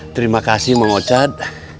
terima kasih mang ocat